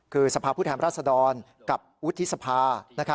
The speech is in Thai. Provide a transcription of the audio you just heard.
คือสภาพผู้แทนราชดรกับวุฒิสภา